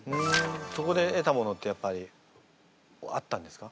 そこで得たものってやっぱりあったんですか？